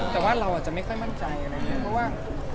แต่ว่าเราอาจจะไม่ค่อยมั่นใจอะไรอย่างนี้เพราะว่า